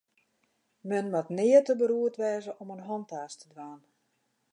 Men moat nea te beroerd wêze om in hantaast te dwaan.